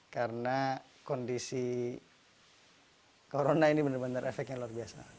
karena kondisi corona ini benar benar efeknya luar biasa